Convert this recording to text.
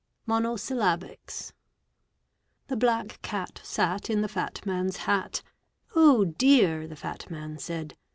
MONOSYLLABICS The black cat sat In the fat man's hat; "Oh, dear!" the fat man said.